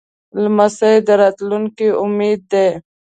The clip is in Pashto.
لمسی د راتلونکي امید دی.